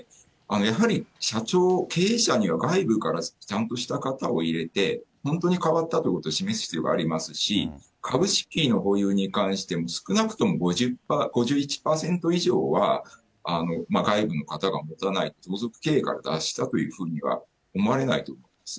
やはり社長、経営者には外部からちゃんとした方を入れて、本当に変わったっていうことを示す必要がありますし、株式の保有に関しても、少なくとも５１％以上は外部の方が持たないと、同族経営から脱したというふうには思われないと思うんです。